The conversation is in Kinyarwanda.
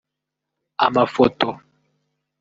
amafoto